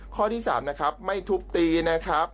ข้อที่๓นะครับไม่ทุบตีนะครับ